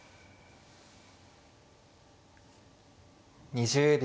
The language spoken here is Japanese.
２０秒。